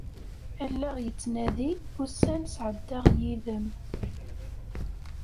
Allaɣ yettnadi, ussan sɛeddaɣ yid-m.